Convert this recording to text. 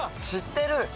知ってる！